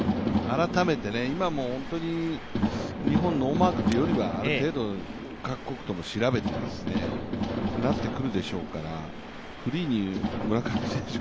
改めて、今も本当に日本ノーマークというよりは、ある程度、各国ともに調べてなってくるでしょうから、フリーに村上選手